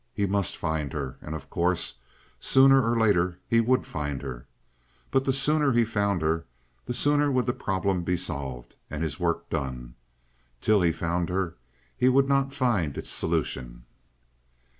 He must find her, and, of course, sooner or later he would find her. But the sooner he found her, the sooner would the problem be solved and his work done. Till he found her he would not find its solution.